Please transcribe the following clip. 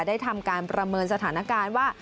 ได้ทำการประเมินสถานการณ์ว่า